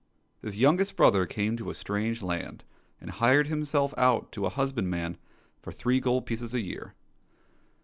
This youngest brother came to a strange land, and hired himself out to a husbandman for three gold pieces a year.